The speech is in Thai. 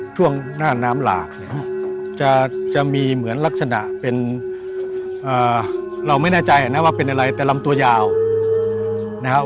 ช่วงหน้าน้ำหลากเนี่ยจะมีเหมือนลักษณะเป็นเราไม่แน่ใจนะว่าเป็นอะไรแต่ลำตัวยาวนะครับ